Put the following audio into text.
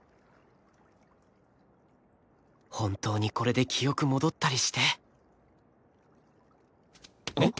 本当にこれで記憶戻ったりしてえっ。